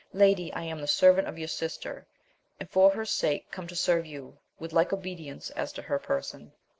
Lady, I am the servant of your sister, and for her sake come to serve you, with like obedience as to her per son.